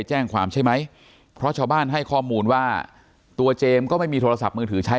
แจ้งความใช่ไหมเพราะชาวบ้านให้ข้อมูลว่าตัวเจมส์ก็ไม่มีโทรศัพท์มือถือใช้